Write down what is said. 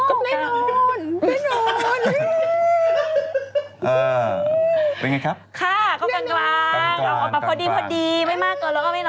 โอเคนะครับวันหยุดยาวนะฮะ